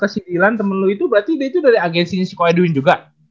si rilan temen lu itu berarti dia itu dari agensi si ko edwin juga